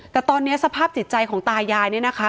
แต่ตอนนี้สภาพจิตใจของตายายเนี่ยนะคะ